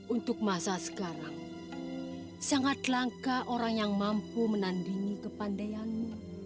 untuk masa sekarang sangat langka orang yang mampu menandingi kepandaianmu